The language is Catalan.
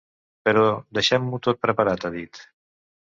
Però deixem-ho tot preparat, ha dit.